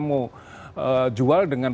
mau jual dengan